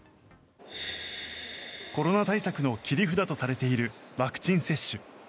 コロナ対策の切り札とされているワクチン接種。